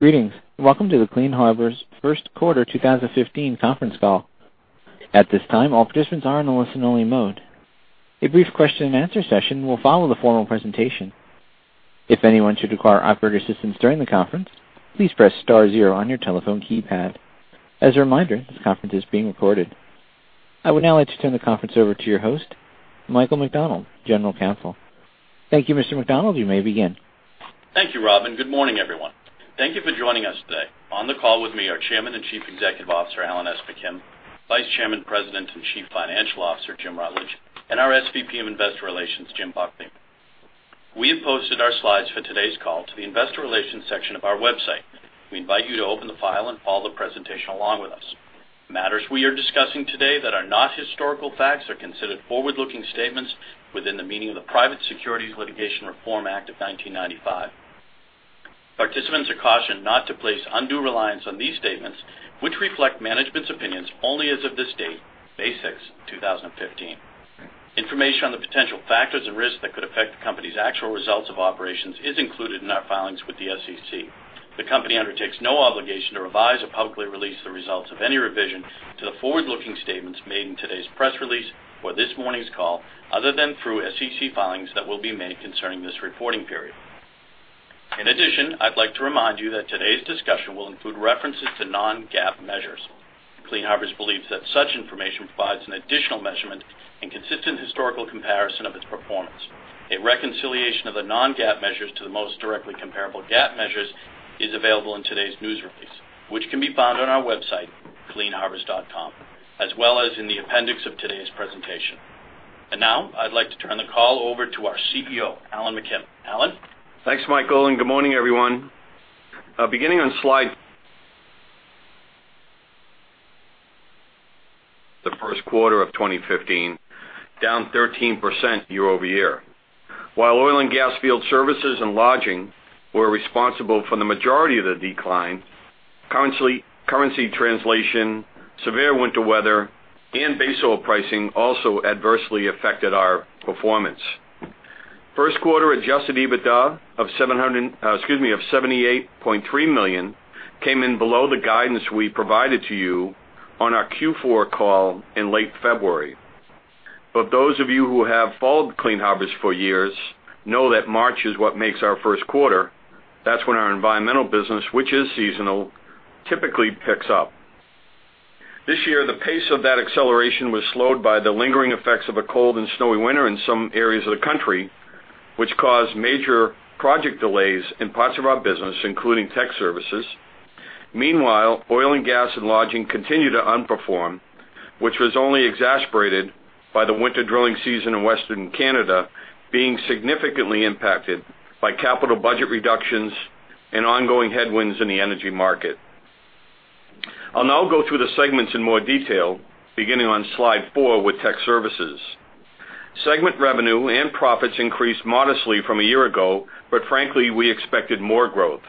Greetings, and welcome to the Clean Harbors first quarter 2015 conference call. At this time, all participants are in a listen-only mode. A brief question-and-answer session will follow the formal presentation. If anyone should require operator assistance during the conference, please press star zero on your telephone keypad. As a reminder, this conference is being recorded. I would now like to turn the conference over to your host, Michael McDonald, General Counsel. Thank you, Mr. McDonald. You may begin. Thank you, Robin. Good morning, everyone. Thank you for joining us today. On the call with me are Chairman and Chief Executive Officer, Alan S. McKim, Vice Chairman, President, and Chief Financial Officer, Jim Rutledge, and our SVP of Investor Relations, Jim Buckley. We have posted our slides for today's call to the investor relations section of our website. We invite you to open the file and follow the presentation along with us. Matters we are discussing today that are not historical facts are considered forward-looking statements within the meaning of the Private Securities Litigation Reform Act of 1995. Participants are cautioned not to place undue reliance on these statements, which reflect management's opinions only as of this date, May sixth, two thousand and fifteen. Information on the potential factors and risks that could affect the company's actual results of operations is included in our filings with the SEC. The company undertakes no obligation to revise or publicly release the results of any revision to the forward-looking statements made in today's press release or this morning's call, other than through SEC filings that will be made concerning this reporting period. In addition, I'd like to remind you that today's discussion will include references to non-GAAP measures. Clean Harbors believes that such information provides an additional measurement and consistent historical comparison of its performance. A reconciliation of the non-GAAP measures to the most directly comparable GAAP measures is available in today's news release, which can be found on our website, cleanharbors.com, as well as in the appendix of today's presentation. And now, I'd like to turn the call over to our CEO, Alan McKim. Alan? Thanks, Michael, and good morning, everyone. Beginning on slide... The first quarter of 2015, down 13% year-over-year. While Oil and Gas Field Services and Lodging were responsible for the majority of the decline, currency, currency translation, severe winter weather, and base oil pricing also adversely affected our performance. First quarter adjusted EBITDA of seven hundred, excuse me, of $78.3 million came in below the guidance we provided to you on our Q4 call in late February. But those of you who have followed Clean Harbors for years know that March is what makes our first quarter. That's when our environmental business, which is seasonal, typically picks up. This year, the pace of that acceleration was slowed by the lingering effects of a cold and snowy winter in some areas of the country, which caused major project delays in parts of our business, including Tech Services. Meanwhile, Oil and Gas and Lodging continued to underperform, which was only exacerbated by the winter drilling season in Western Canada being significantly impacted by capital budget reductions and ongoing headwinds in the energy market. I'll now go through the segments in more detail, beginning on slide four with Tech Services. Segment revenue and profits increased modestly from a year ago, but frankly, we expected more growth.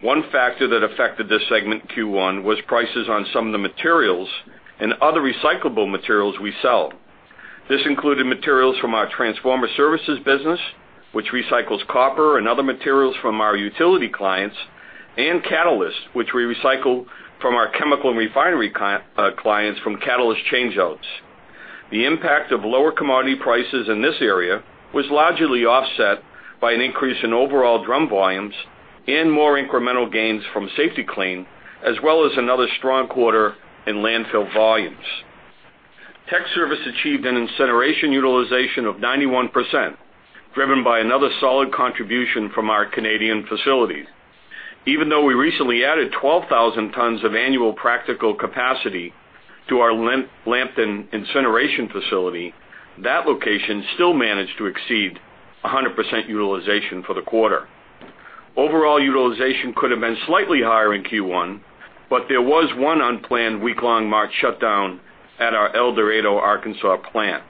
One factor that affected this segment in Q1 was prices on some of the materials and other recyclable materials we sell. This included materials from our transformer services business, which recycles copper and other materials from our utility clients, and catalysts, which we recycle from our Chemical and refinery clients from catalyst changeouts. The impact of lower commodity prices in this area was largely offset by an increase in overall drum volumes and more incremental gains from Safety-Kleen, as well as another strong quarter in landfill volumes. Technical Services achieved an incineration utilization of 91%, driven by another solid contribution from our Canadian facilities. Even though we recently added 12,000 tons of annual practical capacity to our Lambton incineration facility, that location still managed to exceed 100% utilization for the quarter. Overall, utilization could have been slightly higher in Q1, but there was one unplanned week-long March shutdown at our El Dorado, Arkansas plant.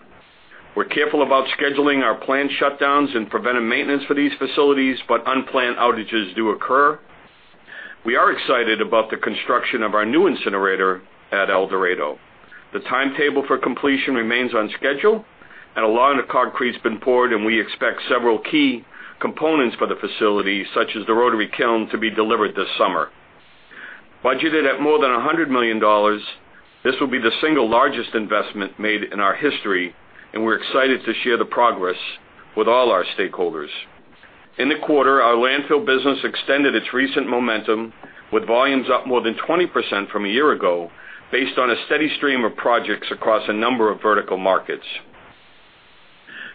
We're careful about scheduling our planned shutdowns and preventive maintenance for these facilities, but unplanned outages do occur. We are excited about the construction of our new incinerator at El Dorado. The timetable for completion remains on schedule, and a lot of the concrete's been poured, and we expect several key components for the facility, such as the rotary kiln, to be delivered this summer. Budgeted at more than $100 million, this will be the single largest investment made in our history, and we're excited to share the progress with all our stakeholders. In the quarter, our landfill business extended its recent momentum, with volumes up more than 20% from a year ago, based on a steady stream of projects across a number of vertical markets.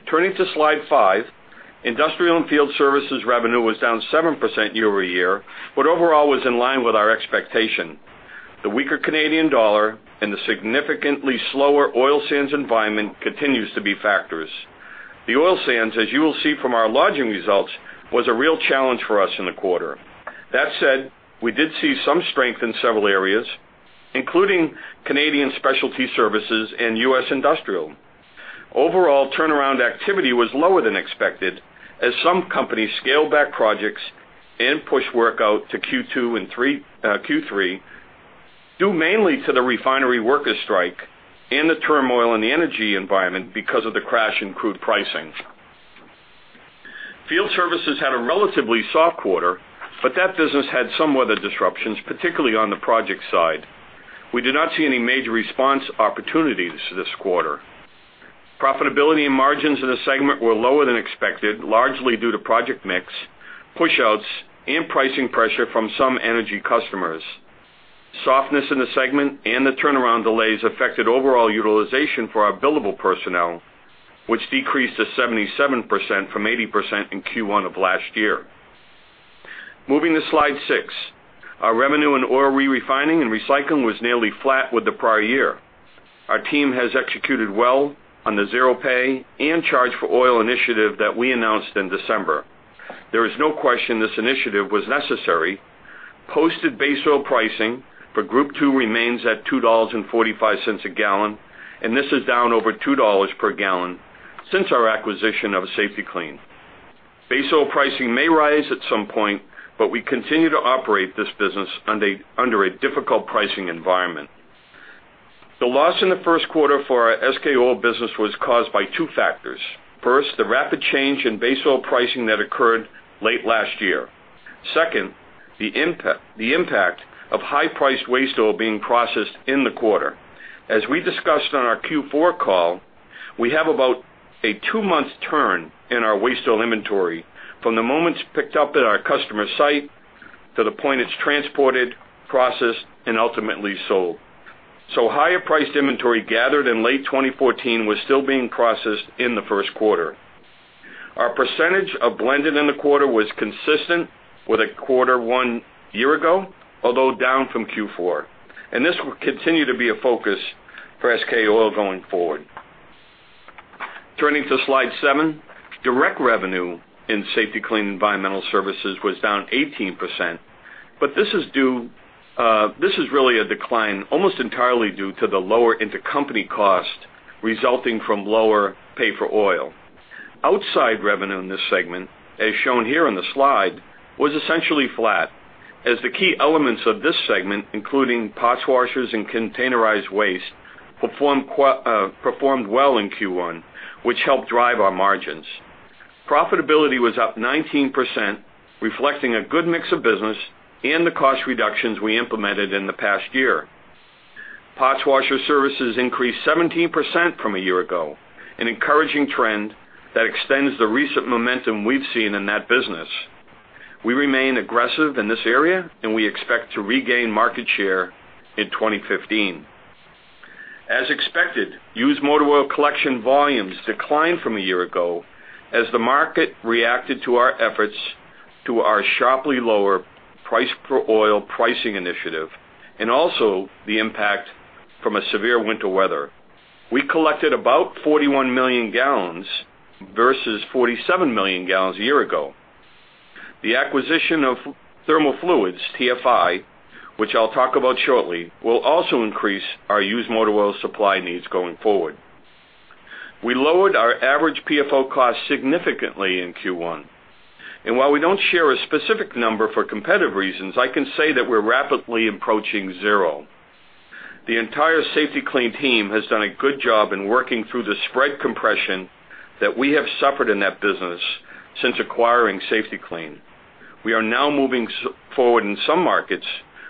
Turning to slide five, Industrial and Field Services revenue was down 7% year-over-year, but overall was in line with our expectation. The weaker Canadian dollar and the significantly slower oil sands environment continues to be factors. The oil sands, as you will see from our lodging results, was a real challenge for us in the quarter. That said, we did see some strength in several areas, including Canadian Specialty Services and U.S. Industrial. Overall, turnaround activity was lower than expected, as some companies scaled back projects and pushed work out to Q2 and Q3, due mainly to the refinery worker strike and the turmoil in the energy environment because of the crash in crude pricing. Field services had a relatively soft quarter, but that business had some weather disruptions, particularly on the project side. We did not see any major response opportunities this quarter. Profitability and margins in the segment were lower than expected, largely due to project mix, push-outs, and pricing pressure from some energy customers. Softness in the segment and the turnaround delays affected overall utilization for our billable personnel, which decreased to 77% from 80% in Q1 of last year. Moving to slide 6. Our revenue in Oil Re-refining and Recycling was nearly flat with the prior year. Our team has executed well on the Zero Pay and Charge for Oil initiative that we announced in December. There is no question this initiative was necessary. Posted base oil pricing for Group II remains at $2.45 a gallon, and this is down over $2 per gallon since our acquisition of Safety-Kleen. Base oil pricing may rise at some point, but we continue to operate this business under a difficult pricing environment. The loss in the first quarter for our SK Oil business was caused by two factors. First, the rapid change in base oil pricing that occurred late last year. Second, the impact, the impact of high-priced waste oil being processed in the quarter. As we discussed on our Q4 call, we have about a two-month turn in our waste oil inventory from the moment it's picked up at our customer site to the point it's transported, processed, and ultimately sold. So higher priced inventory gathered in late 2014 was still being processed in the first quarter. Our percentage of blended in the quarter was consistent with the quarter one year ago, although down from Q4, and this will continue to be a focus for SK Oil going forward. Turning to slide seven. Direct revenue in Safety-Kleen Environmental Services was down 18%, but this is due, this is really a decline almost entirely due to the lower intercompany cost resulting from lower Pay-for-Oil. External revenue in this segment, as shown here in the slide, was essentially flat, as the key elements of this segment, including parts washers and containerized waste, performed well in Q1, which helped drive our margins. Profitability was up 19%, reflecting a good mix of business and the cost reductions we implemented in the past year. Parts washer services increased 17% from a year ago, an encouraging trend that extends the recent momentum we've seen in that business. We remain aggressive in this area, and we expect to regain market share in 2015. As expected, used motor oil collection volumes declined from a year ago as the market reacted to our efforts to our sharply lower price per oil pricing initiative and also the impact from a severe winter weather. We collected about 41 million gallons versus 47 million gallons a year ago. The acquisition of Thermo Fluids, TFI, which I'll talk about shortly, will also increase our used motor oil supply needs going forward. We lowered our average PFO cost significantly in Q1, and while we don't share a specific number for competitive reasons, I can say that we're rapidly approaching zero. The entire Safety-Kleen team has done a good job in working through the spread compression that we have suffered in that business since acquiring Safety-Kleen. We are now moving forward in some markets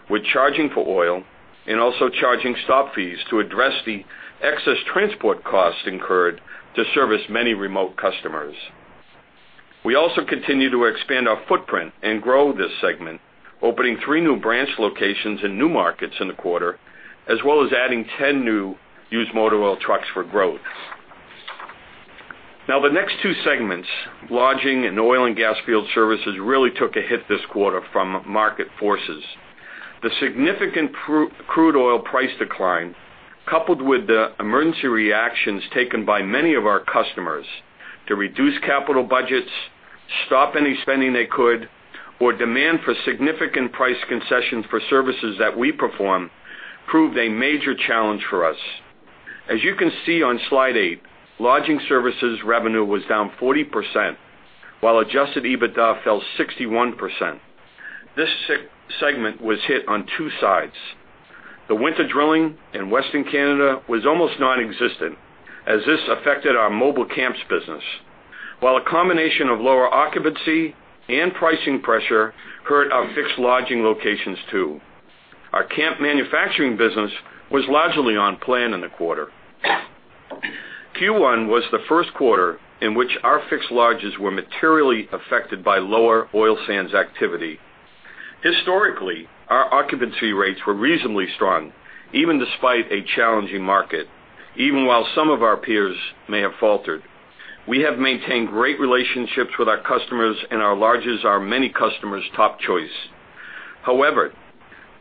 with charging for oil and also charging stop fees to address the excess transport costs incurred to service many remote customers. We also continue to expand our footprint and grow this segment, opening three new branch locations in new markets in the quarter, as well as adding 10 new used motor oil trucks for growth. Now, the next two segments, Lodging and Oil and Gas Field Services, really took a hit this quarter from market forces. The significant crude oil price decline, coupled with the emergency reactions taken by many of our customers to reduce capital budgets, stop any spending they could, or demand for significant price concessions for services that we perform, proved a major challenge for us. As you can see on slide eight, Lodging Services revenue was down 40%, while adjusted EBITDA fell 61%. This segment was hit on two sides. The winter drilling in Western Canada was almost nonexistent, as this affected our mobile camps business, while a combination of lower occupancy and pricing pressure hurt our fixed lodging locations, too. Our camp manufacturing business was largely on plan in the quarter. Q1 was the first quarter in which our fixed lodges were materially affected by lower oil sands activity. Historically, our occupancy rates were reasonably strong, even despite a challenging market, even while some of our peers may have faltered. We have maintained great relationships with our customers, and our lodges are many customers' top choice. However,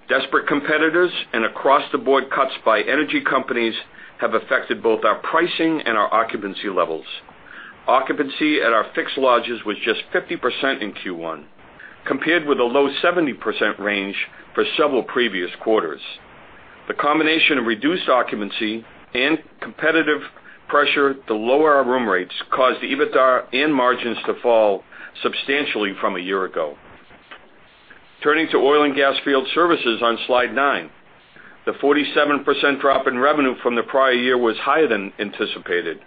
desperate competitors and across-the-board cuts by energy companies have affected both our pricing and our occupancy levels. Occupancy at our fixed lodges was just 50% in Q1, compared with a low 70% range for several previous quarters. The combination of reduced occupancy and competitive pressure to lower our room rates caused EBITDA and margins to fall substantially from a year ago. Turning to Oil and Gas Field Services on slide nine. The 47% drop in revenue from the prior year was higher than anticipated.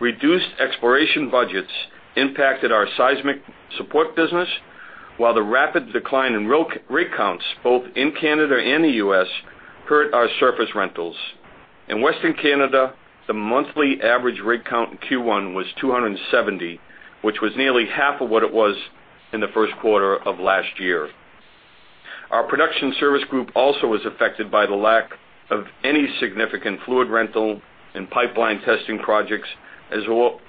Reduced exploration budgets impacted our seismic support business, while the rapid decline in rig counts, both in Canada and the U.S., hurt our surface rentals. In Western Canada, the monthly average rig count in Q1 was 270, which was nearly half of what it was in the first quarter of last year. Our Production Services group also was affected by the lack of any significant fluid rental and pipeline testing projects, as well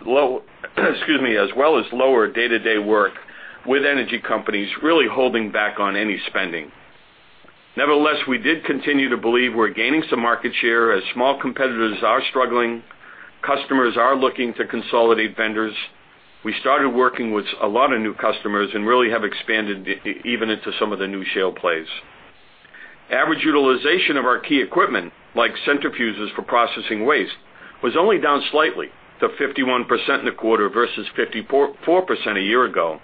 as lower day-to-day work, with energy companies really holding back on any spending. Nevertheless, we did continue to believe we're gaining some market share as small competitors are struggling, customers are looking to consolidate vendors. We started working with a lot of new customers and really have expanded even into some of the new shale plays. Average utilization of our key equipment, like centrifuges for processing waste, was only down slightly to 51% in the quarter versus 54% a year ago.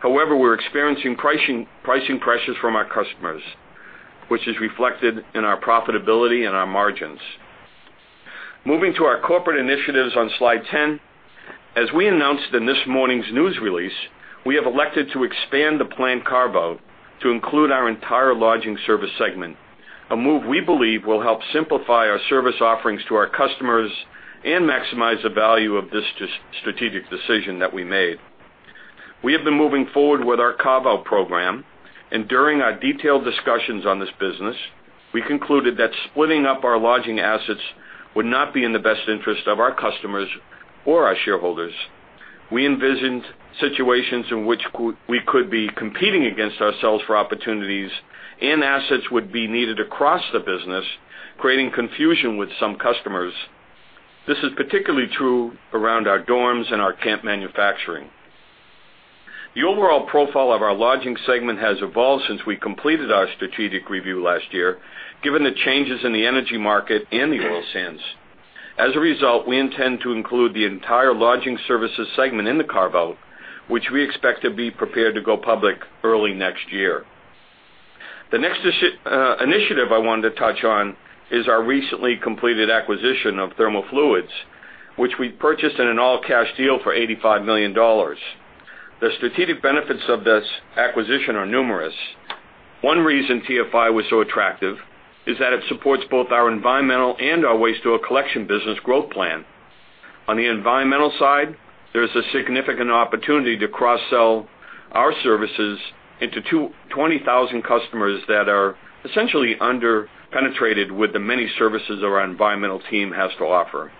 However, we're experiencing pricing pressures from our customers, which is reflected in our profitability and our margins. Moving to our corporate initiatives on slide 10. As we announced in this morning's news release, we have elected to expand the planned carve-out to include our entire Lodging Service segment, a move we believe will help simplify our service offerings to our customers and maximize the value of this strategic decision that we made. We have been moving forward with our carve-out program, and during our detailed discussions on this business, we concluded that splitting up our Lodging assets would not be in the best interest of our customers or our shareholders. We envisioned situations in which we could be competing against ourselves for opportunities, and assets would be needed across the business, creating confusion with some customers. This is particularly true around our dorms and our camp manufacturing. The overall profile of our Lodging segment has evolved since we completed our strategic review last year, given the changes in the energy market and the oil sands. As a result, we intend to include the entire Lodging Services segment in the carve-out, which we expect to be prepared to go public early next year. The next initiative I wanted to touch on is our recently completed acquisition of Thermo Fluids, which we purchased in an all-cash deal for $85 million. The strategic benefits of this acquisition are numerous. One reason TFI was so attractive is that it supports both our environmental and our waste oil collection business growth plan. On the environmental side, there's a significant opportunity to cross-sell our services into 20,000 customers that are essentially under-penetrated with the many services our environmental team has to offer.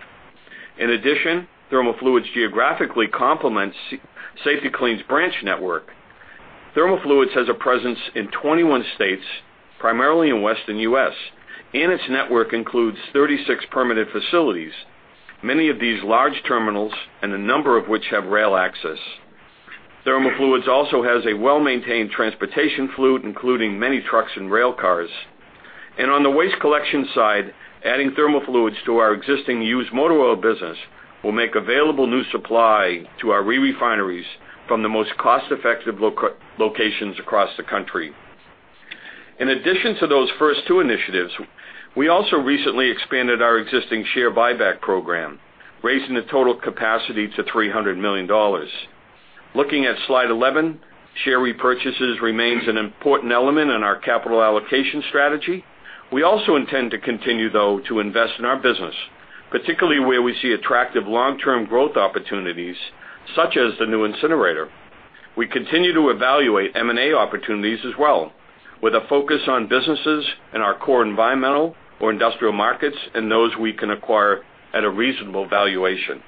In addition, Thermo Fluids geographically complements Safety-Kleen's branch network. Thermo Fluids has a presence in 21 states, primarily in Western U.S., and its network includes 36 permanent facilities, many of these large terminals, and a number of which have rail access. Thermo Fluids also has a well-maintained transportation fleet, including many trucks and rail cars. And on the waste collection side, adding Thermo Fluids to our existing used motor oil business will make available new supply to our re-refineries from the most cost-effective locations across the country. In addition to those first two initiatives, we also recently expanded our existing share buyback program, raising the total capacity to $300 million. Looking at slide 11, share repurchases remains an important element in our capital allocation strategy. We also intend to continue, though, to invest in our business, particularly where we see attractive long-term growth opportunities, such as the new incinerator. We continue to evaluate M&A opportunities as well, with a focus on businesses in our core environmental or industrial markets and those we can acquire at a reasonable valuation.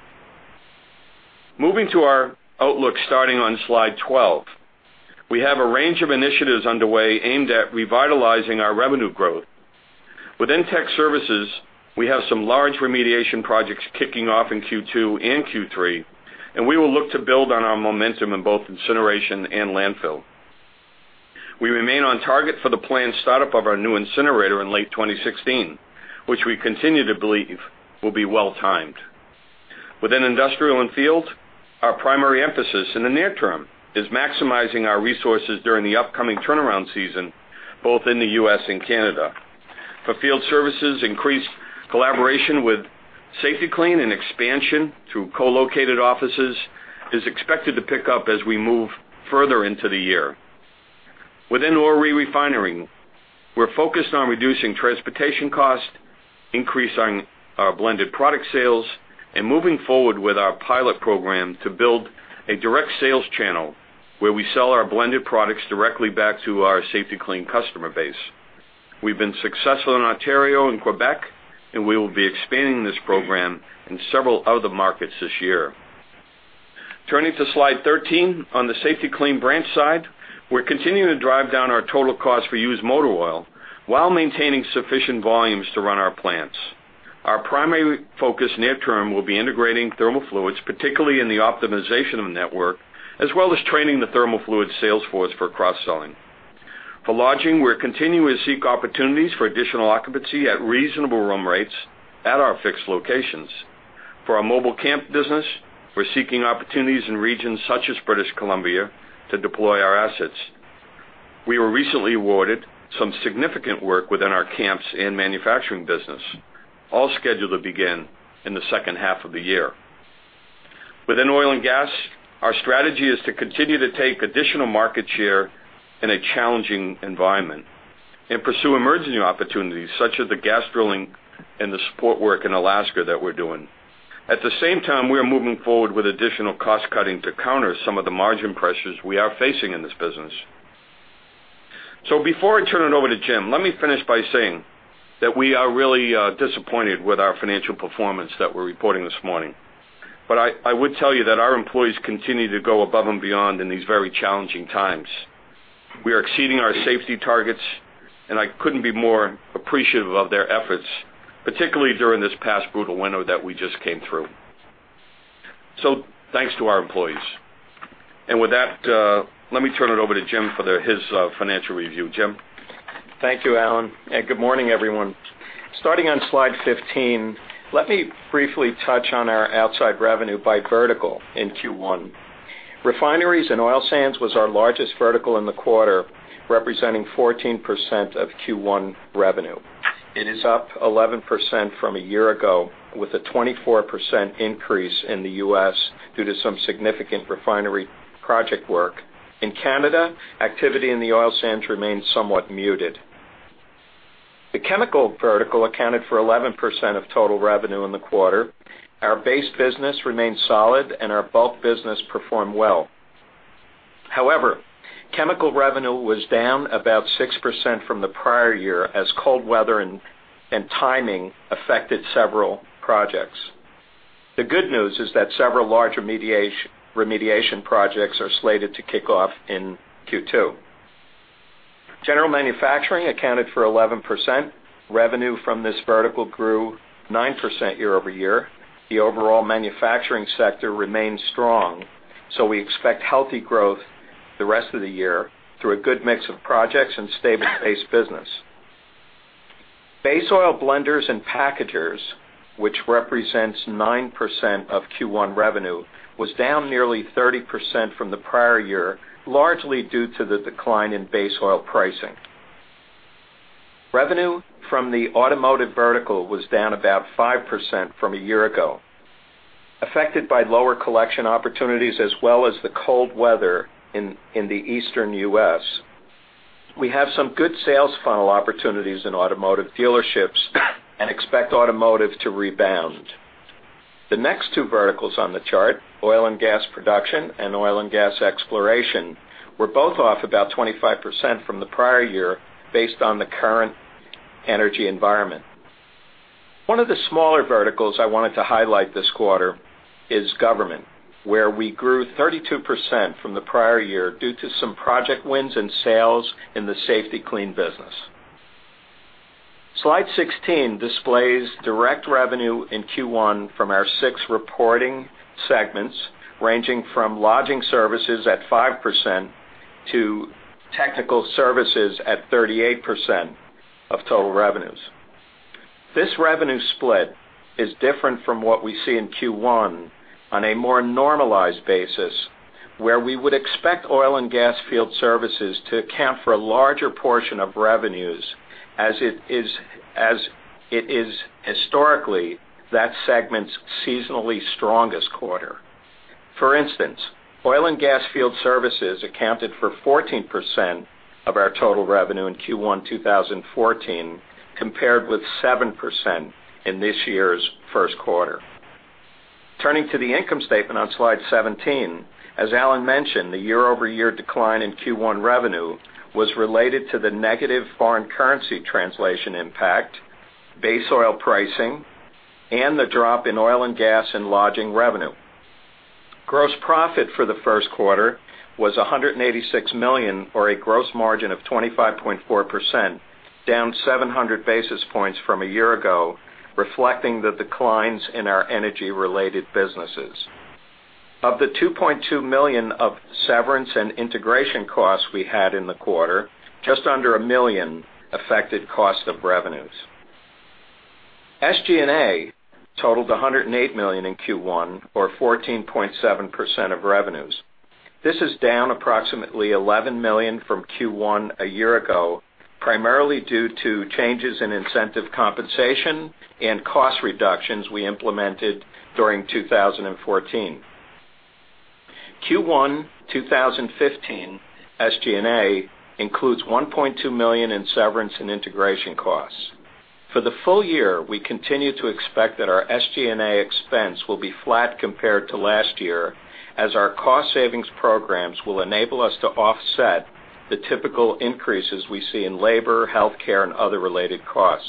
Moving to our outlook, starting on slide 12. We have a range of initiatives underway aimed at revitalizing our revenue growth. Within Tech Services, we have some large remediation projects kicking off in Q2 and Q3, and we will look to build on our momentum in both incineration and landfill. We remain on target for the planned startup of our new incinerator in late 2016, which we continue to believe will be well-timed. Within Industrial and Field, our primary emphasis in the near term is maximizing our resources during the upcoming turnaround season, both in the U.S. and Canada. For field services, increased collaboration with Safety-Kleen and expansion through co-located offices is expected to pick up as we move further into the year. Within Oil Re-refinery, we're focused on reducing transportation costs, increasing our blended product sales, and moving forward with our pilot program to build a direct sales channel, where we sell our blended products directly back to our Safety-Kleen customer base. We've been successful in Ontario and Quebec, and we will be expanding this program in several other markets this year. Turning to slide 13, on the Safety-Kleen branch side, we're continuing to drive down our total cost for used motor oil while maintaining sufficient volumes to run our plants. Our primary focus near term will be integrating Thermo Fluids, particularly in the optimization of the network, as well as training the Thermo Fluids sales force for cross-selling. For Lodging, we're continuing to seek opportunities for additional occupancy at reasonable room rates at our fixed locations... for our mobile camp business, we're seeking opportunities in regions such as British Columbia to deploy our assets. We were recently awarded some significant work within our camps and manufacturing business, all scheduled to begin in the second half of the year. Within Oil and Gas, our strategy is to continue to take additional market share in a challenging environment and pursue emerging opportunities, such as the gas drilling and the support work in Alaska that we're doing. At the same time, we are moving forward with additional cost cutting to counter some of the margin pressures we are facing in this business. So before I turn it over to Jim, let me finish by saying that we are really disappointed with our financial performance that we're reporting this morning. But I would tell you that our employees continue to go above and beyond in these very challenging times. We are exceeding our safety targets, and I couldn't be more appreciative of their efforts, particularly during this past brutal winter that we just came through. So thanks to our employees. And with that, let me turn it over to Jim for his financial review. Jim? Thank you, Alan, and good morning, everyone. Starting on slide 15, let me briefly touch on our outside revenue by vertical in Q1. Refineries and Oil Sands was our largest vertical in the quarter, representing 14% of Q1 revenue. It is up 11% from a year ago, with a 24% increase in the U.S. due to some significant refinery project work. In Canada, activity in the oil sands remains somewhat muted. The Chemical vertical accounted for 11% of total revenue in the quarter. Our base business remained solid, and our bulk business performed well. However, Chemical revenue was down about 6% from the prior year as cold weather and timing affected several projects. The good news is that several large remediation projects are slated to kick off in Q2. General Manufacturing accounted for 11%. Revenue from this vertical grew 9% year-over-year. The overall manufacturing sector remains strong, so we expect healthy growth the rest of the year through a good mix of projects and stable base business. Base Oil Blenders and Packagers, which represents 9% of Q1 revenue, was down nearly 30% from the prior year, largely due to the decline in base oil pricing. Revenue from the Automotive vertical was down about 5% from a year ago, affected by lower collection opportunities as well as the cold weather in the Eastern U.S. We have some good sales funnel opportunities in Automotive dealerships and expect Automotive to rebound. The next two verticals on the chart, Oil and Gas Production and Oil and Gas Exploration, were both off about 25% from the prior year based on the current energy environment. One of the smaller verticals I wanted to highlight this quarter is Government, where we grew 32% from the prior year due to some project wins and sales in the Safety-Kleen business. Slide 16 displays direct revenue in Q1 from our six reporting segments, ranging from Lodging Services at 5% to Technical Services at 38% of total revenues. This revenue split is different from what we see in Q1 on a more normalized basis, where we would expect Oil and Gas Field Services to account for a larger portion of revenues as it is historically, that segment's seasonally strongest quarter. For instance, Oil and Gas Field Services accounted for 14% of our total revenue in Q1 2014, compared with 7% in this year's first quarter. Turning to the income statement on slide 17, as Alan mentioned, the year-over-year decline in Q1 revenue was related to the negative foreign currency translation impact, base oil pricing, and the drop in Oil and Gas and Lodging revenue. Gross profit for the first quarter was $186 million, or a gross margin of 25.4%, down 700 basis points from a year ago, reflecting the declines in our energy-related businesses. Of the $2.2 million of severance and integration costs we had in the quarter, just under a million affected cost of revenues. SG&A totaled $108 million in Q1, or 14.7% of revenues. This is down approximately $11 million from Q1 a year ago, primarily due to changes in incentive compensation and cost reductions we implemented during 2014. Q1 2015 SG&A includes $1.2 million in severance and integration costs. For the full year, we continue to expect that our SG&A expense will be flat compared to last year, as our cost savings programs will enable us to offset the typical increases we see in labor, healthcare, and other related costs.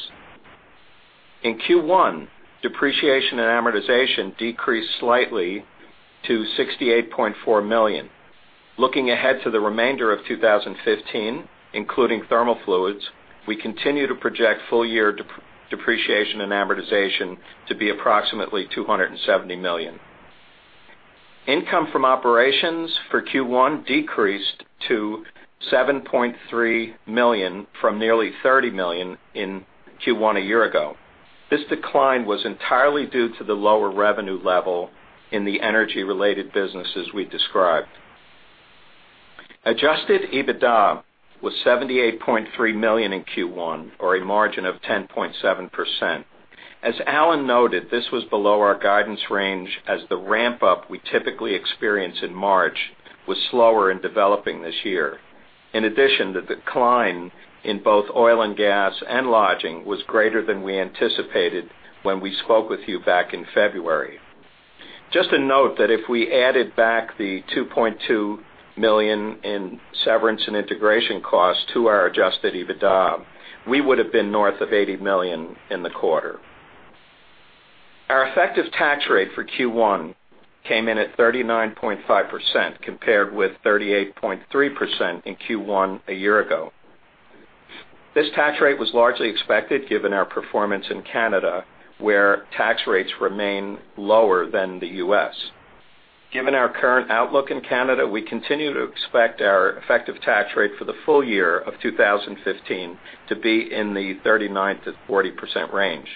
In Q1, depreciation and amortization decreased slightly to $68.4 million. Looking ahead to the remainder of 2015, including Thermo Fluids, we continue to project full year depreciation and amortization to be approximately $270 million.... Income from operations for Q1 decreased to $7.3 million from nearly $30 million in Q1 a year ago. This decline was entirely due to the lower revenue level in the energy-related businesses we described. Adjusted EBITDA was $78.3 million in Q1, or a margin of 10.7%. As Alan noted, this was below our guidance range as the ramp-up we typically experience in March was slower in developing this year. In addition, the decline in both Oil and Gas and Lodging was greater than we anticipated when we spoke with you back in February. Just a note that if we added back the $2.2 million in severance and integration costs to our adjusted EBITDA, we would have been north of $80 million in the quarter. Our effective tax rate for Q1 came in at 39.5%, compared with 38.3% in Q1 a year ago. This tax rate was largely expected, given our performance in Canada, where tax rates remain lower than the U.S. Given our current outlook in Canada, we continue to expect our effective tax rate for the full year of 2015 to be in the 39%-40% range.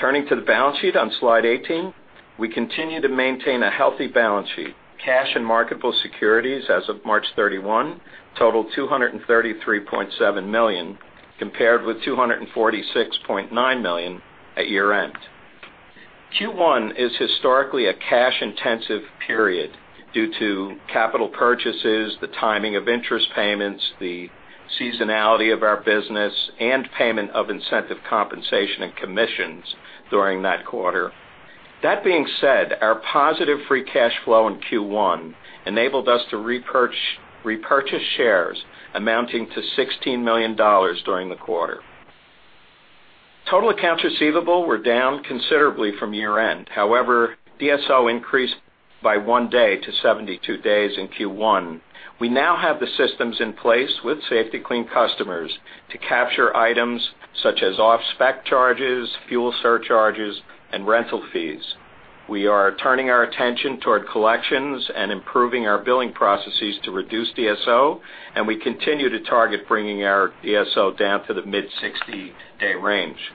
Turning to the balance sheet on slide 18. We continue to maintain a healthy balance sheet. Cash and marketable securities as of March 31 totaled $233.7 million, compared with $246.9 million at year-end. Q1 is historically a cash-intensive period due to capital purchases, the timing of interest payments, the seasonality of our business, and payment of incentive compensation and commissions during that quarter. That being said, our positive free cash flow in Q1 enabled us to repurchase shares amounting to $16 million during the quarter. Total accounts receivable were down considerably from year-end. However, DSO increased by one day to 72 days in Q1. We now have the systems in place with Safety-Kleen customers to capture items such as off-spec charges, fuel surcharges, and rental fees. We are turning our attention toward collections and improving our billing processes to reduce DSO, and we continue to target bringing our DSO down to the mid-60-day range.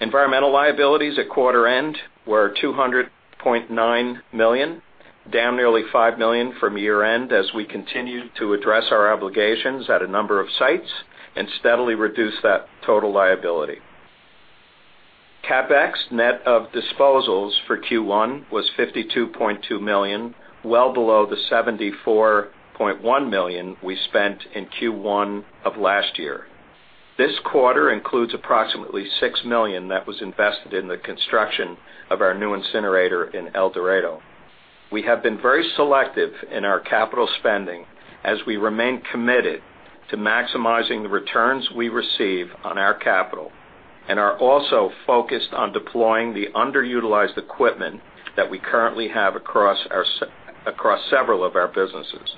Environmental liabilities at quarter-end were $200.9 million, down nearly $5 million from year-end, as we continue to address our obligations at a number of sites and steadily reduce that total liability. CapEx, net of disposals for Q1, was $52.2 million, well below the $74.1 million we spent in Q1 of last year. This quarter includes approximately $6 million that was invested in the construction of our new incinerator in El Dorado. We have been very selective in our capital spending as we remain committed to maximizing the returns we receive on our capital and are also focused on deploying the underutilized equipment that we currently have across our across several of our businesses.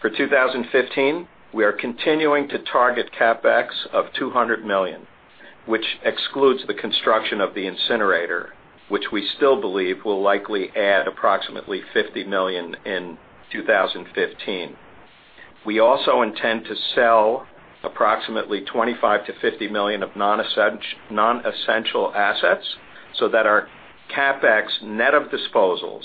For 2015, we are continuing to target CapEx of $200 million, which excludes the construction of the incinerator, which we still believe will likely add approximately $50 million in 2015. We also intend to sell approximately $25 million-$50 million of nonessential assets, so that our CapEx, net of disposals,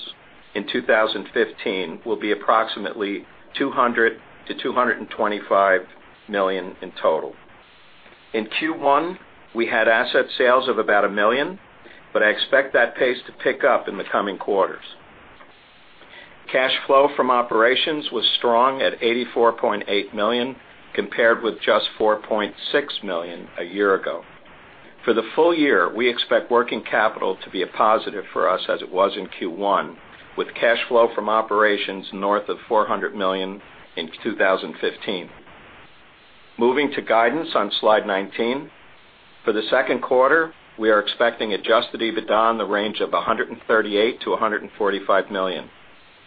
in 2015, will be approximately $200 million-$225 million in total. In Q1, we had asset sales of about $1 million, but I expect that pace to pick up in the coming quarters. Cash flow from operations was strong at $84.8 million, compared with just $4.6 million a year ago. For the full year, we expect working capital to be a positive for us as it was in Q1, with cash flow from operations north of $400 million in 2015. Moving to guidance on slide 19. For the second quarter, we are expecting adjusted EBITDA in the range of $138 million-$145 million.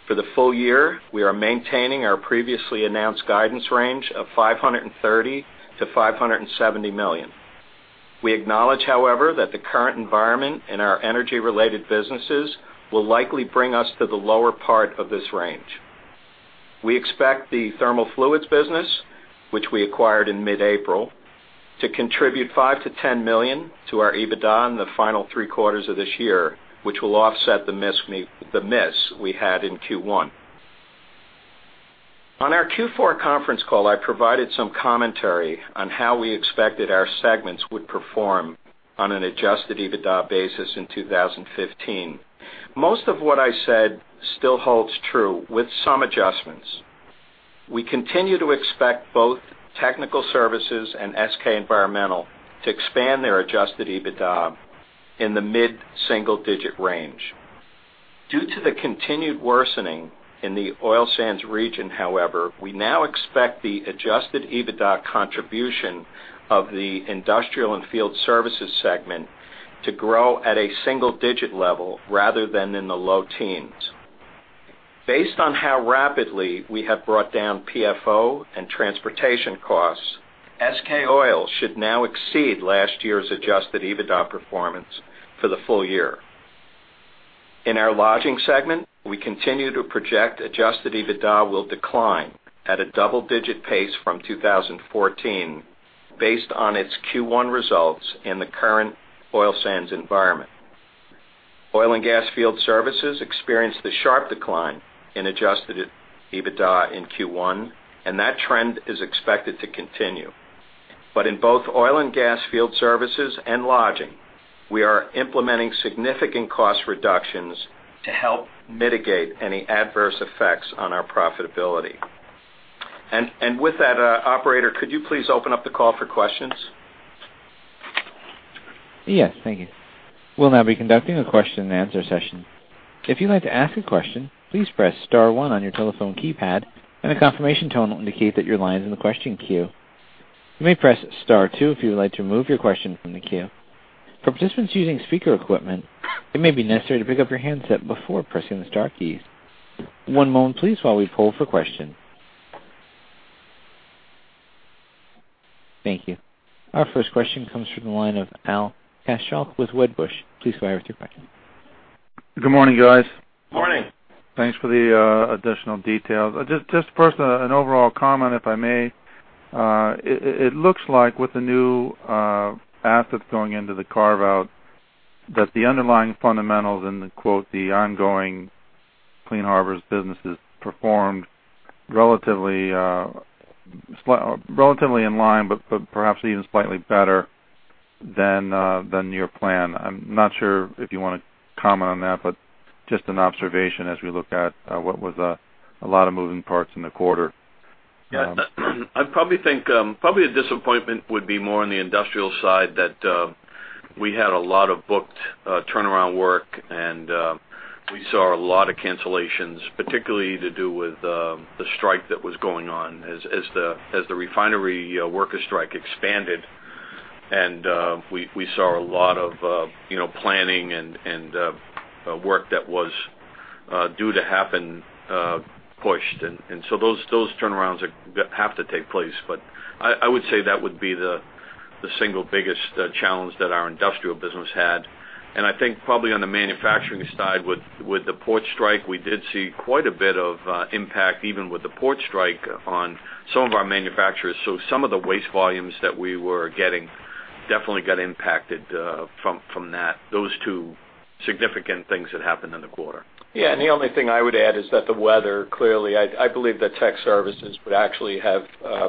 For the full year, we are maintaining our previously announced guidance range of $530 million-$570 million. We acknowledge, however, that the current environment in our energy-related businesses will likely bring us to the lower part of this range. We expect the Thermo Fluids business, which we acquired in mid-April, to contribute $5 million-$10 million to our EBITDA in the final three quarters of this year, which will offset the miss we had in Q1. On our Q4 conference call, I provided some commentary on how we expected our segments would perform on an adjusted EBITDA basis in 2015. Most of what I said still holds true with some adjustments. We continue to expect both Technical Services and SK Environmental to expand their adjusted EBITDA in the mid-single-digit range. Due to the continued worsening in the oil sands region, however, we now expect the adjusted EBITDA contribution of the Industrial and Field Services segment to grow at a single-digit level rather than in the low teens. ...Based on how rapidly we have brought down PFO and transportation costs, SK Oil should now exceed last year's adjusted EBITDA performance for the full year. In our Lodging segment, we continue to project adjusted EBITDA will decline at a double-digit pace from 2014, based on its Q1 results in the current oil sands environment. Oil and Gas Field Services experienced a sharp decline in adjusted EBITDA in Q1, and that trend is expected to continue. But in both Oil and Gas Field Services and Lodging, we are implementing significant cost reductions to help mitigate any adverse effects on our profitability. And, and with that, operator, could you please open up the call for questions? Yes, thank you. We'll now be conducting a question-and-answer session. If you'd like to ask a question, please press star one on your telephone keypad, and a confirmation tone will indicate that your line is in the question queue. You may press star two if you would like to remove your question from the queue. For participants using speaker equipment, it may be necessary to pick up your handset before pressing the star keys. One moment please, while we poll for questions. Thank you. Our first question comes from the line of Al Kaschalk with Wedbush. Please go ahead with your question. Good morning, guys. Morning! Thanks for the additional details. Just first, an overall comment, if I may. It looks like with the new assets going into the carve-out, that the underlying fundamentals and the, quote, "the ongoing Clean Harbors businesses," performed relatively in line, but perhaps even slightly better than your plan. I'm not sure if you wanna comment on that, but just an observation as we look at what was a lot of moving parts in the quarter. Yeah. I probably think, probably a disappointment would be more on the industrial side, that, we had a lot of booked, turnaround work, and, we saw a lot of cancellations, particularly to do with, the strike that was going on. As, as the, as the refinery, worker strike expanded and, we, we saw a lot of, you know, planning and, and, work that was, due to happen, pushed. And, and so those, those turnarounds have to take place. But I, I would say that would be the, the single biggest, challenge that our industrial business had. And I think probably on the manufacturing side, with, with the port strike, we did see quite a bit of, impact, even with the port strike, on some of our manufacturers. So some of the waste volumes that we were getting definitely got impacted from that. Those two significant things that happened in the quarter. Yeah, and the only thing I would add is that the weather, clearly, I believe that Tech Services would actually have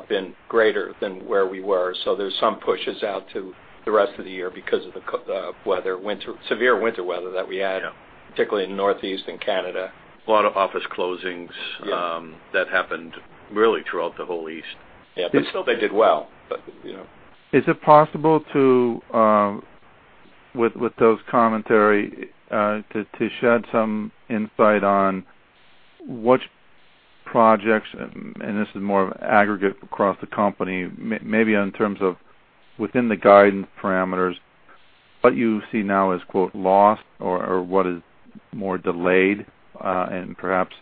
been greater than where we were. So there's some pushes out to the rest of the year because of the weather, winter - severe winter weather that we had- Yeah... particularly in Northeast and Canada. A lot of office closings- Yeah That happened really throughout the whole East. Yeah. But still they did well, but you know. Is it possible to, with those commentary, to shed some insight on which projects, and this is more of aggregate across the company, maybe in terms of within the guidance parameters, what you see now as, quote, "lost," or what is more delayed, and perhaps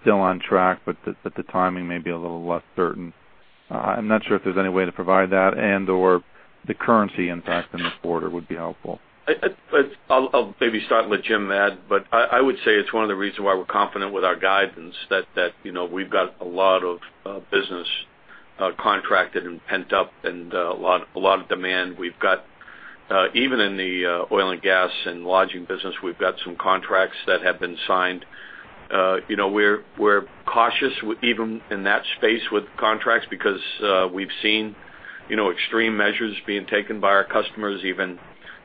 still on track, but the timing may be a little less certain? I'm not sure if there's any way to provide that and/or the currency impact in this quarter would be helpful. I'll maybe start with Jim, but I would say it's one of the reasons why we're confident with our guidance that, you know, we've got a lot of business contracted and pent up and a lot of demand. We've got even in the Oil and Gas and Lodging business, we've got some contracts that have been signed. You know, we're cautious even in that space with contracts, because we've seen, you know, extreme measures being taken by our customers, even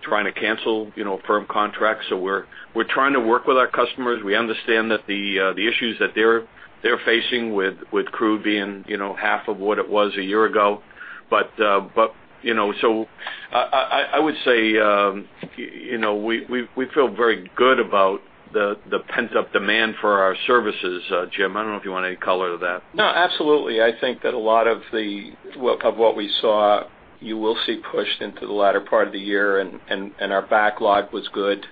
trying to cancel, you know, firm contracts. So we're trying to work with our customers. We understand that the issues that they're facing with crude being, you know, half of what it was a year ago. You know, so I would say, you know, we feel very good about the pent-up demand for our services. Jim, I don't know if you want to add any color to that. No, absolutely. I think that a lot of the well, of what we saw, you will see pushed into the latter part of the year, and our backlog was good,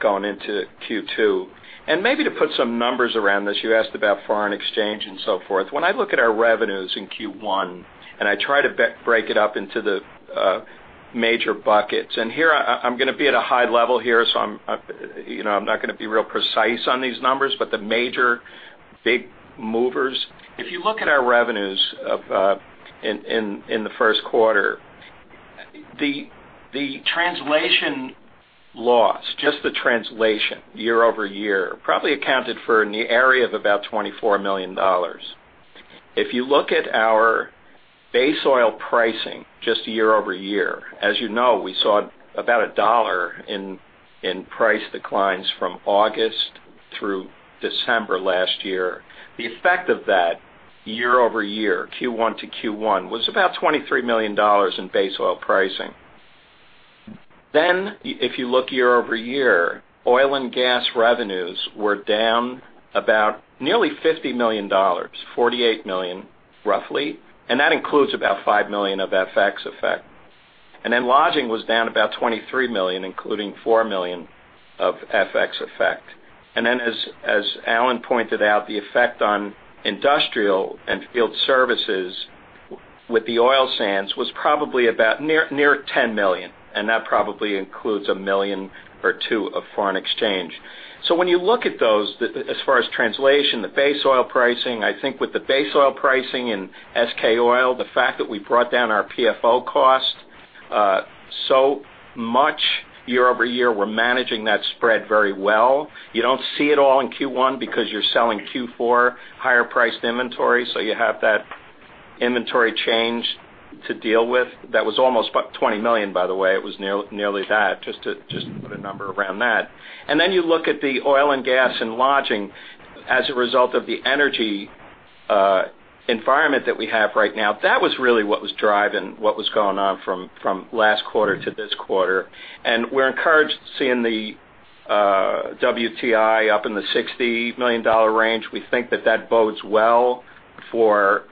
going into Q2. And maybe to put some numbers around this, you asked about foreign exchange and so forth. When I look at our revenues in Q1, and I try to break it up into the major buckets, and here I, I'm gonna be at a high level here, so I'm, you know, I'm not gonna be real precise on these numbers, but the major big movers. If you look at our revenues of in the first quarter, the translation loss, just the translation, year-over-year, probably accounted for in the area of about $24 million. If you look at our base oil pricing, just year-over-year, as you know, we saw about $1 in price declines from August through December last year. The effect of that, year-over-year, Q1 to Q1, was about $23 million in base oil pricing. Then, if you look year-over-year, Oil and Gas revenues were down about nearly $50 million, $48 million, roughly, and that includes about $5 million of FX effect. And then Lodging was down about $23 million, including $4 million of FX effect. And then, as Alan pointed out, the effect on Industrial and Field Services with the oil sands was probably about near $10 million, and that probably includes $1 million or $2 million of foreign exchange. So when you look at those, the, as far as translation, the base oil pricing, I think with the base oil pricing and SK Oil, the fact that we brought down our PFO cost so much year-over-year, we're managing that spread very well. You don't see it all in Q1 because you're selling Q4 higher priced inventory, so you have that inventory change to deal with. That was almost about $20 million, by the way. It was nearly that, just to put a number around that. And then you look at the Oil and Gas and Lodging as a result of the energy environment that we have right now. That was really what was driving what was going on from last quarter to this quarter. And we're encouraged seeing the WTI up in the $60 range. We think that that bodes well for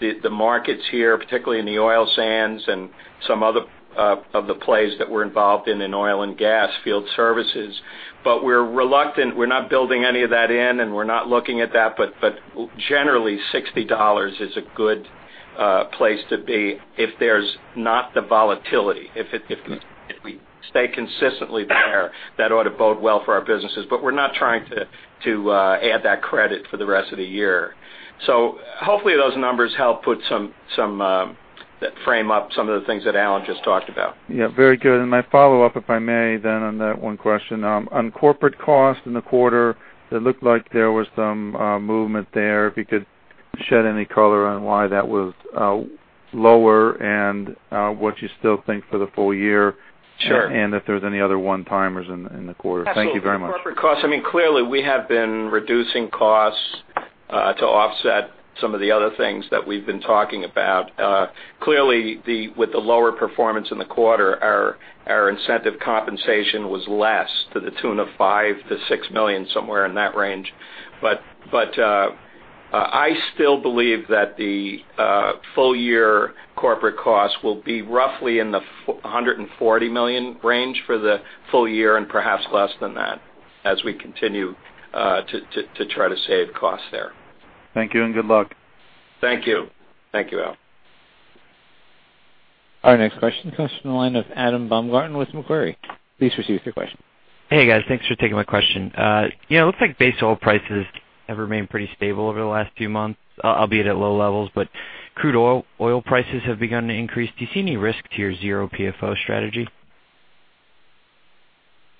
the markets here, particularly in the oil sands and some other of the plays that we're involved in, in Oil and Gas Field Services. But we're reluctant, we're not building any of that in, and we're not looking at that. But generally, $60 is a good place to be if there's not the volatility. If we stay consistently there, that ought to bode well for our businesses. But we're not trying to add that credit for the rest of the year. So hopefully, those numbers help put some frame up some of the things that Alan just talked about. Yeah, very good. And my follow-up, if I may, then on that one question. On corporate cost in the quarter, it looked like there was some movement there. If you could shed any color on why that was lower and what you still think for the full year- Sure. and if there's any other one-timers in the quarter? Thank you very much. Absolutely. Corporate costs, I mean, clearly, we have been reducing costs to offset some of the other things that we've been talking about. Clearly, with the lower performance in the quarter, our incentive compensation was less to the tune of $5 million-$6 million, somewhere in that range. But, I still believe that the full year corporate costs will be roughly in the $140 million range for the full year, and perhaps less than that, as we continue to try to save costs there. Thank you, and good luck. Thank you. Thank you, Al. Our next question comes from the line of Adam Baumgarten with Macquarie. Please proceed with your question. Hey, guys. Thanks for taking my question. You know, it looks like base oil prices have remained pretty stable over the last few months, albeit at low levels, but crude oil, oil prices have begun to increase. Do you see any risk to your zero PFO strategy?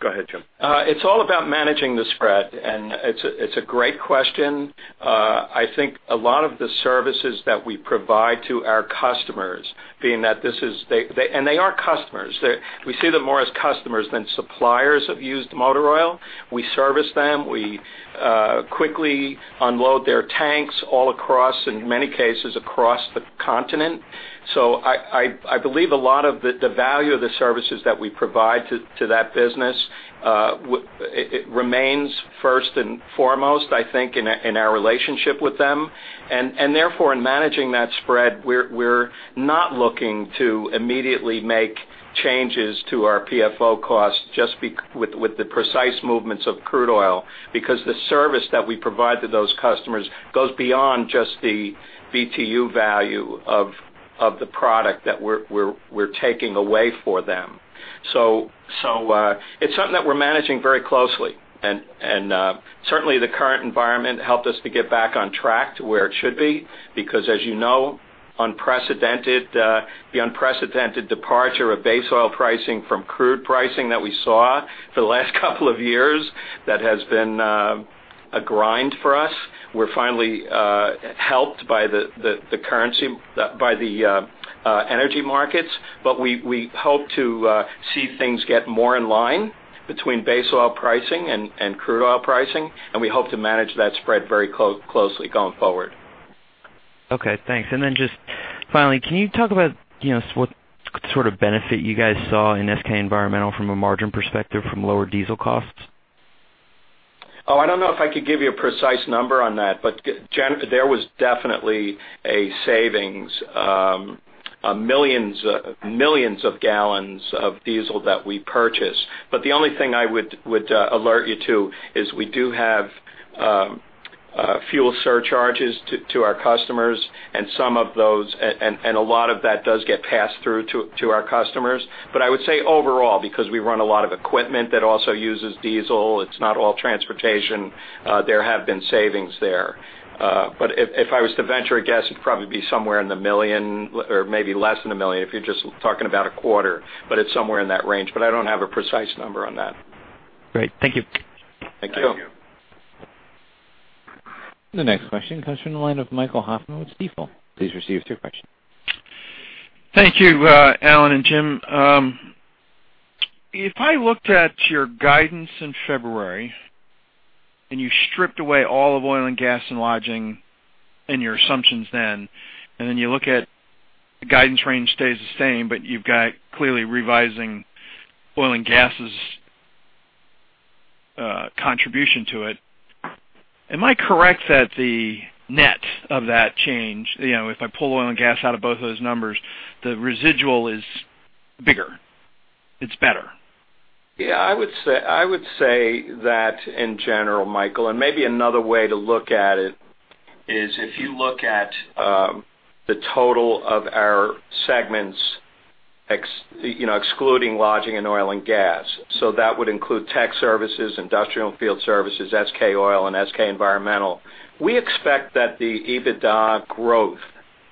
Go ahead, Jim. It's all about managing the spread, and it's a great question. I think a lot of the services that we provide to our customers, being that this is they -- and they are customers. They're we see them more as customers than suppliers of used motor oil. We service them. We quickly unload their tanks all across, in many cases, across the continent. So I believe a lot of the value of the services that we provide to that business, it remains first and foremost, I think, in our relationship with them. Therefore, in managing that spread, we're not looking to immediately make changes to our PFO costs just with the precise movements of crude oil, because the service that we provide to those customers goes beyond just the BTU value of the product that we're taking away for them. So, it's something that we're managing very closely. And, certainly, the current environment helped us to get back on track to where it should be, because as you know, the unprecedented departure of base oil pricing from crude pricing that we saw for the last couple of years has been a grind for us. We're finally helped by the currency, by the energy markets. But we hope to see things get more in line between base oil pricing and crude oil pricing, and we hope to manage that spread very closely going forward. Okay, thanks. And then just finally, can you talk about, you know, what sort of benefit you guys saw in SK Environmental from a margin perspective from lower diesel costs? Oh, I don't know if I could give you a precise number on that, but there was definitely a savings of millions of gallons of diesel that we purchased. But the only thing I would alert you to is we do have fuel surcharges to our customers and some of those, a lot of that does get passed through to our customers. But I would say overall, because we run a lot of equipment that also uses diesel, it's not all transportation, there have been savings there. But if I was to venture a guess, it'd probably be somewhere in the $1 million or maybe less than $1 million, if you're just talking about a quarter, but it's somewhere in that range. But I don't have a precise number on that. Great. Thank you. Thank you. The next question comes from the line of Michael Hoffman with Stifel. Please receive your question. Thank you, Alan and Jim. If I looked at your guidance in February, and you stripped away all of Oil and Gas and Lodging and your assumptions then, and then you look at the guidance range stays the same, but you've got clearly revising Oil and Gas's contribution to it. Am I correct that the net of that change, you know, if I pull Oil and Gas out of both those numbers, the residual is bigger? It's better. Yeah, I would say, I would say that in general, Michael, and maybe another way to look at it is if you look at the total of our segments excluding Lodging and Oil and Gas. So that would include Tech Services, Industrial and Field Services, SK Oil and SK Environmental. We expect that the EBITDA growth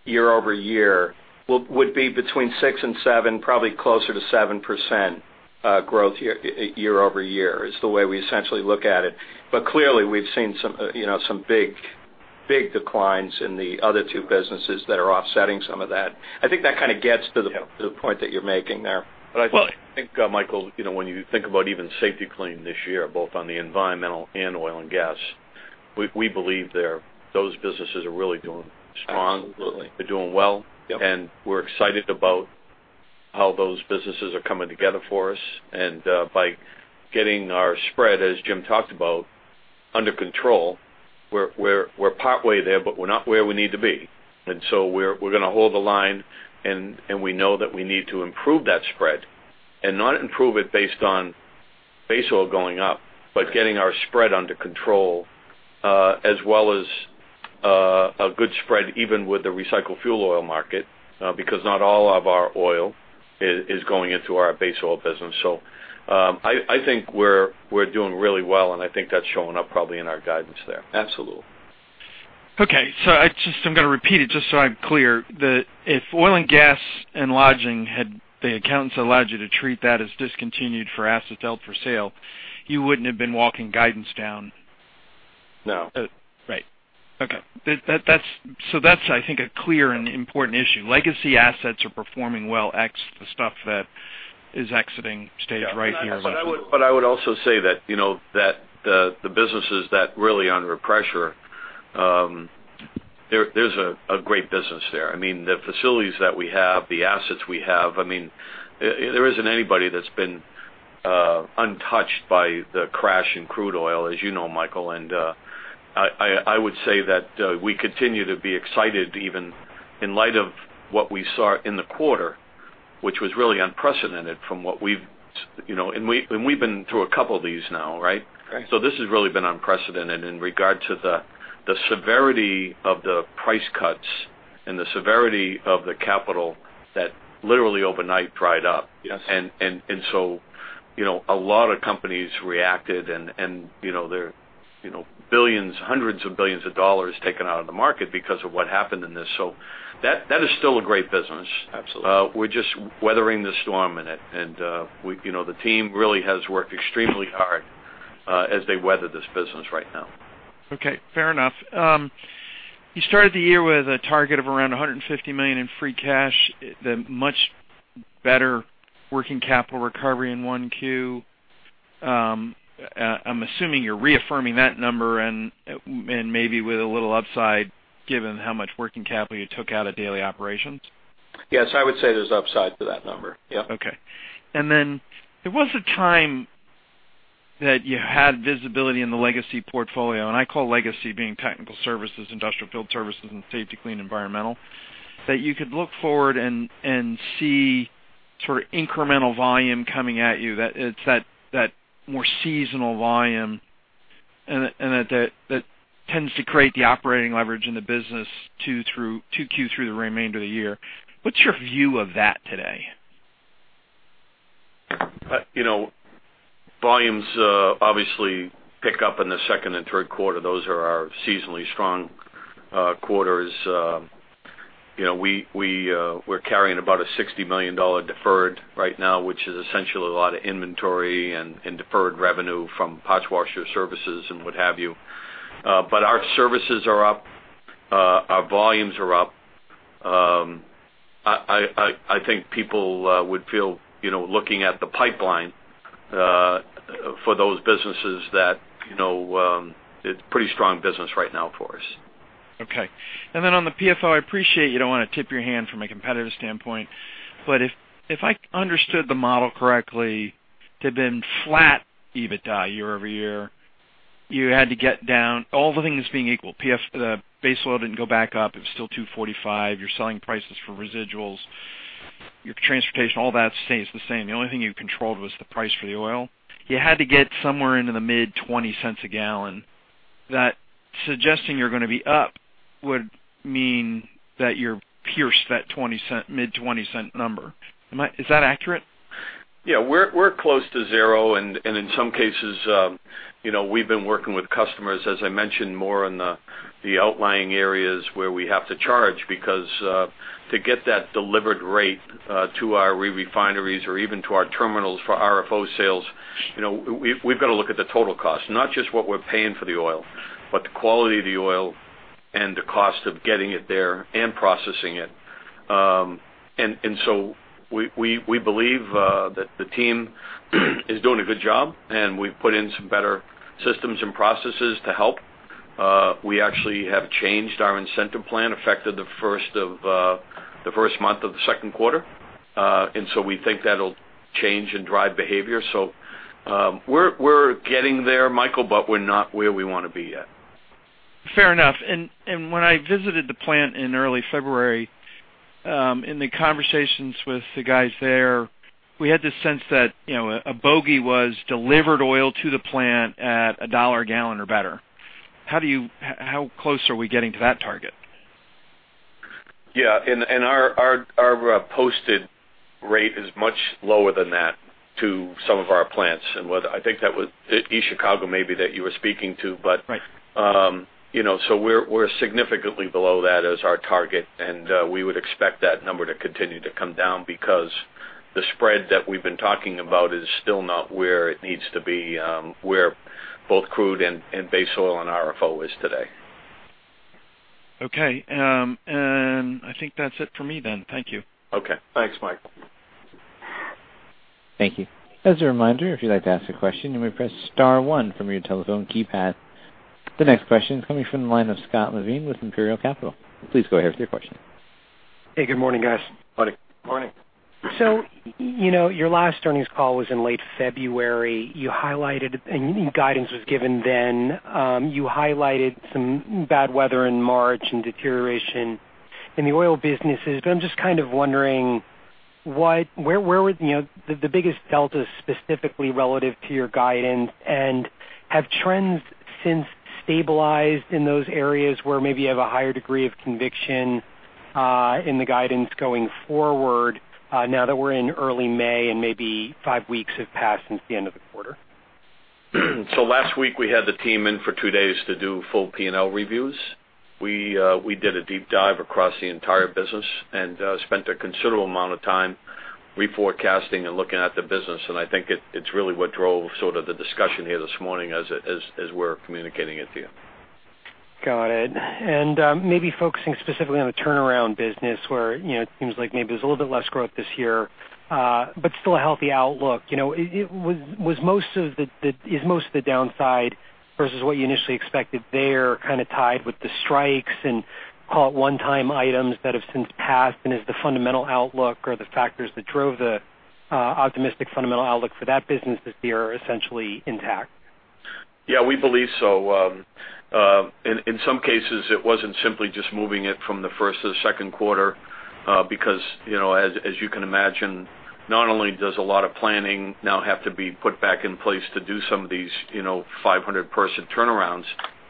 year-over-year would be between six and seven, probably closer to 7%, growth year-over-year, is the way we essentially look at it. But clearly, we've seen some, you know, some big, big declines in the other two businesses that are offsetting some of that. I think that kind of gets to the- Yeah... to the point that you're making there. But I think, Michael, you know, when you think about even Safety-Kleen this year, both on the Environmental and Oil and Gas, we, we believe they're—those businesses are really doing strong. Absolutely. They're doing well. Yep. We're excited about how those businesses are coming together for us. By getting our spread, as Jim talked about, under control, we're partway there, but we're not where we need to be. So we're gonna hold the line, and we know that we need to improve that spread. And not improve it based on base oil going up- Right... but getting our spread under control, as well as a good spread even with the recycled fuel oil market, because not all of our oil is going into our base oil business. So, I think we're doing really well, and I think that's showing up probably in our guidance there. Absolutely. Okay, so I'm gonna repeat it just so I'm clear. If Oil and Gas and Lodging had the accountants allowed you to treat that as discontinued for assets held for sale, you wouldn't have been walking guidance down? No. Right. Okay. That's, so that's, I think, a clear and important issue. Legacy assets are performing well, ex the stuff that is exiting stage right here. Yeah. But I would also say that, you know, that the businesses that really under pressure, there's a great business there. I mean, the facilities that we have, the assets we have, I mean, there isn't anybody that's been untouched by the crash in crude oil, as you know, Michael. And I would say that we continue to be excited, even in light of what we saw in the quarter, which was really unprecedented from what we've, you know... And we've been through a couple of these now, right? Right. This has really been unprecedented in regard to the severity of the price cuts and the severity of the capital that literally overnight dried up. Yes. You know, a lot of companies reacted, and, you know, there, you know, billions, hundreds of billions of dollars taken out of the market because of what happened in this. So that, that is still a great business. Absolutely. We're just weathering the storm in it, and we, you know, the team really has worked extremely hard as they weather this business right now. Okay, fair enough. You started the year with a target of around $150 million in free cash, the much better working capital recovery in 1Q. I'm assuming you're reaffirming that number and, and maybe with a little upside, given how much working capital you took out of daily operations? Yes, I would say there's upside to that number. Yep. Okay. And then, there was a time that you had visibility in the legacy portfolio, and I call legacy being Technical Services, industrial field services, and Safety-Kleen Environmental, that you could look forward and see sort of incremental volume coming at you, that it's that more seasonal volume and that tends to create the operating leverage in the business 2Q through the remainder of the year. What's your view of that today? You know, volumes obviously pick up in the second and third quarter. Those are our seasonally strong quarters. You know, we're carrying about a $60 million deferred right now, which is essentially a lot of inventory and deferred revenue from parts washer services and what have you. But our services are up, our volumes are up. I think people would feel, you know, looking at the pipeline, for those businesses that, you know, it's pretty strong business right now for us. Okay. And then on the PFO, I appreciate you don't want to tip your hand from a competitive standpoint, but if I understood the model correctly, to then flat EBITDA year-over-year, you had to get down, all the things being equal, PFO base load didn't go back up. It was still $2.45. You're selling prices for residuals, your transportation, all that stays the same. The only thing you controlled was the price for the oil. You had to get somewhere into the mid-20 cents a gallon. That suggesting you're gonna be up would mean that you're pierced that 20 cent, mid-20 cent number. Is that accurate? Yeah, we're close to zero, and in some cases, you know, we've been working with customers, as I mentioned, more in the outlying areas where we have to charge because to get that delivered rate to our re-refineries or even to our terminals for RFO sales, you know, we've got to look at the total cost. Not just what we're paying for the oil, but the quality of the oil and the cost of getting it there and processing it. And so we believe that the team is doing a good job, and we've put in some better systems and processes to help. We actually have changed our incentive plan, effective the first of the first month of the second quarter. And so we think that'll change and drive behavior. We're getting there, Michael, but we're not where we wanna be yet. Fair enough. And when I visited the plant in early February, in the conversations with the guys there, we had this sense that, you know, a bogey was delivered oil to the plant at $1 a gallon or better. How close are we getting to that target? Yeah, and our posted rate is much lower than that to some of our plants. And whether I think that was East Chicago, maybe that you were speaking to, but- Right. You know, so we're significantly below that as our target, and we would expect that number to continue to come down because the spread that we've been talking about is still not where it needs to be, where both crude and base oil and RFO is today. Okay, and I think that's it for me then. Thank you. Okay. Thanks, Michael. Thank you. As a reminder, if you'd like to ask a question, you may press star one from your telephone keypad. The next question is coming from the line of Scott Levine with Imperial Capital. Please go ahead with your question. Hey, good morning, guys. Morning. Morning. So, you know, your last earnings call was in late February. You highlighted, and guidance was given then, you highlighted some bad weather in March and deterioration in the oil businesses. But I'm just kind of wondering, what, where would, you know, the biggest delta, specifically relative to your guidance? And have trends since stabilized in those areas where maybe you have a higher degree of conviction in the guidance going forward, now that we're in early May and maybe five weeks have passed since the end of the quarter? So last week, we had the team in for two days to do full P&L reviews. We did a deep dive across the entire business and spent a considerable amount of time reforecasting and looking at the business, and I think it's really what drove sort of the discussion here this morning as we're communicating it to you. Got it. And, maybe focusing specifically on the turnaround business, where, you know, it seems like maybe there's a little bit less growth this year, but still a healthy outlook. You know, is most of the downside versus what you initially expected there, kind of tied with the strikes and call it one-time items that have since passed, and is the fundamental outlook or the factors that drove the optimistic fundamental outlook for that business this year are essentially intact? Yeah, we believe so. In some cases, it wasn't simply just moving it from the first to the second quarter, because, you know, as you can imagine, not only does a lot of planning now have to be put back in place to do some of these, you know, 500-person turnarounds,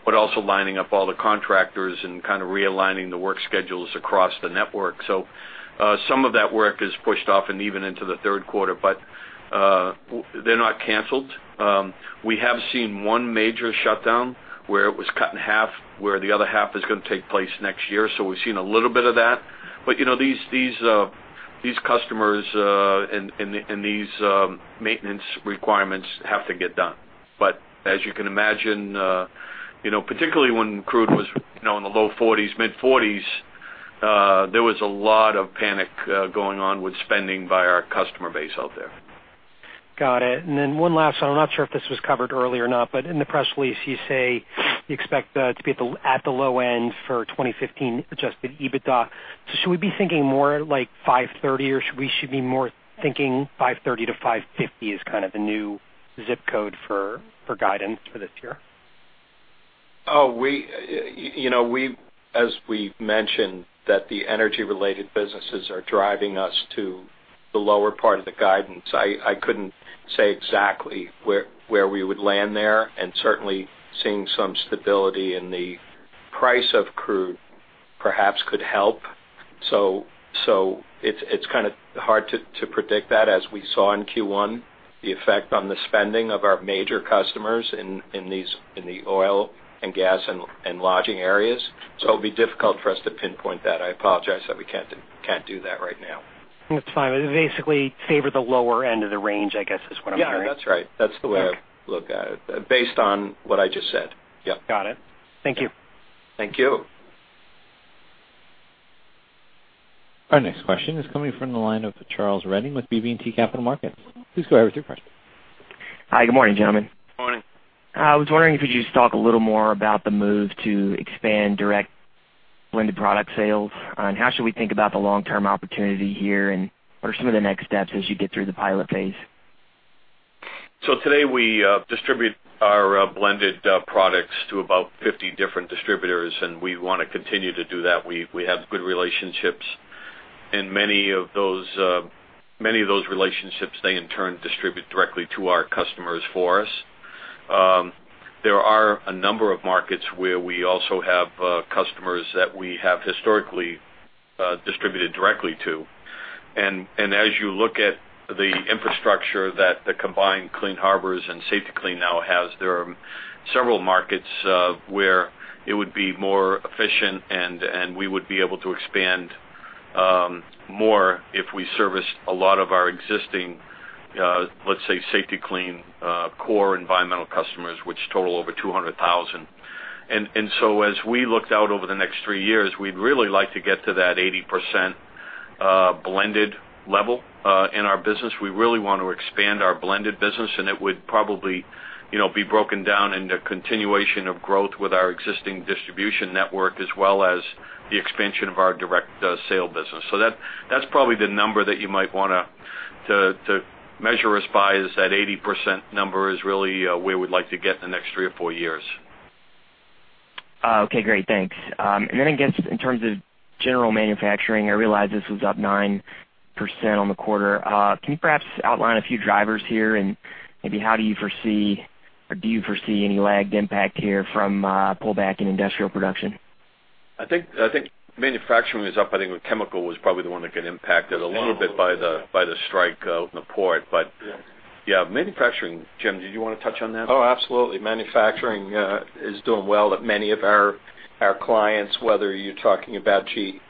but also lining up all the contractors and kind of realigning the work schedules across the network. So, some of that work is pushed off and even into the third quarter, but they're not canceled. We have seen one major shutdown where it was cut in half, where the other half is gonna take place next year. So we've seen a little bit of that. But, you know, these customers and these maintenance requirements have to get done. As you can imagine, you know, particularly when crude was, you know, in the low $40s, mid $40s, there was a lot of panic, going on with spending by our customer base out there. Got it. And then one last, so I'm not sure if this was covered earlier or not, but in the press release, you say you expect to be at the low end for 2015 adjusted EBITDA. So should we be thinking more like $530, or we should be more thinking $530-$550 is kind of the new ZIP code for guidance for this year? Oh, we, you know, we've—as we mentioned, that the energy-related businesses are driving us to the lower part of the guidance. I couldn't say exactly where we would land there, and certainly seeing some stability in the price of crude perhaps could help. So it's kind of hard to predict that. As we saw in Q1, the effect on the spending of our major customers in these, in the Oil and Gas and Lodging areas. So it'll be difficult for us to pinpoint that. I apologize that we can't do that right now. That's fine. Basically, favor the lower end of the range, I guess, is what I'm hearing. Yeah, that's right. That's the way- Okay... I look at it, based on what I just said. Yep. Got it. Thank you. Thank you. Our next question is coming from the line of Charles Redding with BB&T Capital Markets. Please go ahead with your question. Hi, good morning, gentlemen. Morning. I was wondering if you could just talk a little more about the move to expand direct blended product sales, and how should we think about the long-term opportunity here, and what are some of the next steps as you get through the pilot phase? So today, we distribute our blended products to about 50 different distributors, and we wanna continue to do that. We have good relationships, and many of those relationships, they in turn distribute directly to our customers for us. There are a number of markets where we also have customers that we have historically distributed directly to. As you look at the infrastructure that the combined Clean Harbors and Safety-Kleen now has, there are several markets where it would be more efficient and we would be able to expand more if we serviced a lot of our existing, let's say, Safety-Kleen core environmental customers, which total over 200,000. So as we looked out over the next three years, we'd really like to get to that 80%,... Blended level in our business. We really want to expand our blended business, and it would probably, you know, be broken down into continuation of growth with our existing distribution network, as well as the expansion of our direct sale business. So that, that's probably the number that you might wanna to measure us by is that 80% number is really where we'd like to get in the next three or four years. Okay, great, thanks. And then, again, in terms of General Manufacturing, I realize this was up 9% on the quarter. Can you perhaps outline a few drivers here? And maybe how do you foresee or do you foresee any lagged impact here from pullback in industrial production? I think, I think manufacturing is up. I think chemical was probably the one that get impacted a little bit by the, by the strike out in the port. But yeah, manufacturing. Jim, did you wanna touch on that? Oh, absolutely. Manufacturing is doing well at many of our clients, whether you're talking about G--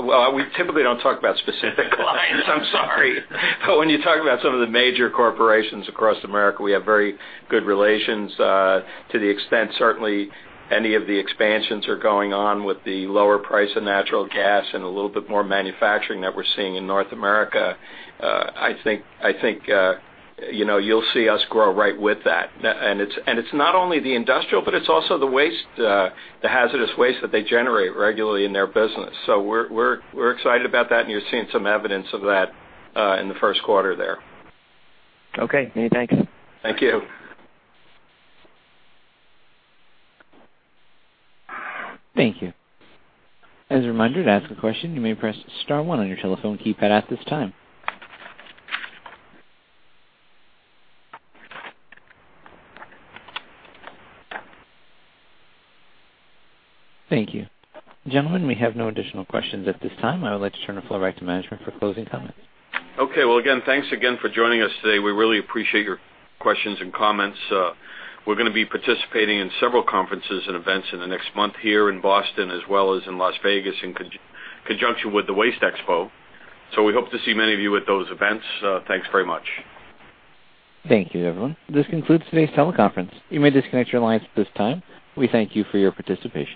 well, we typically don't talk about specific clients. I'm sorry. But when you talk about some of the major corporations across America, we have very good relations, to the extent certainly any of the expansions are going on with the lower price of natural gas and a little bit more manufacturing that we're seeing in North America. I think, you know, you'll see us grow right with that. And it's not only the industrial, but it's also the waste, the hazardous waste that they generate regularly in their business. So we're excited about that, and you're seeing some evidence of that, in the first quarter there. Okay, many thanks. Thank you. Thank you. As a reminder, to ask a question, you may press star one on your telephone keypad at this time. Thank you. Gentlemen, we have no additional questions at this time. I would like to turn the floor back to management for closing comments. Okay. Well, again, thanks again for joining us today. We really appreciate your questions and comments. We're gonna be participating in several conferences and events in the next month here in Boston, as well as in Las Vegas, in conjunction with the WasteExpo. So we hope to see many of you at those events. Thanks very much. Thank you, everyone. This concludes today's teleconference. You may disconnect your lines at this time. We thank you for your participation.